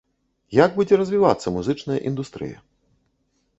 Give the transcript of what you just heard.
Як будзе развівацца музычная індустрыя?